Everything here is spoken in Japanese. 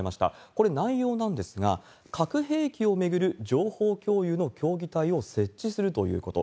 これ、内容なんですが、核兵器を巡る情報共有の協議体を設置するということ。